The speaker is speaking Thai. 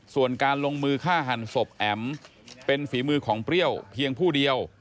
ส่วนการลงมือฆ่าหันศพแอ๋มเป็นฝีมือของเปรี้ยวเพียงผู้เดียว